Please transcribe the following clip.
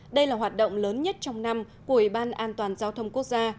đây là hoạt động lớn nhất trong năm của ủy ban an toàn giao thông quốc gia